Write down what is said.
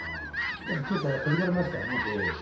ちょっと、はじかれましたね。